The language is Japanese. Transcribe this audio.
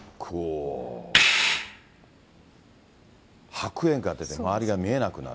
白煙が出て、周りが見えなくなる。